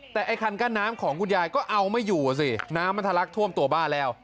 แต่ไอ้คันกั้นน้ำของคุณยายก็เอาไม่อยู่อ่ะสิน้ำมันทะลักท่วมตัวบ้านแล้ว